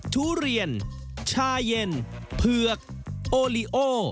ทุเรียนชาเย็นเผือกโอลิโอ